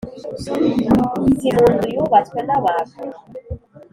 si mu nzu y’ubatswe n’abantu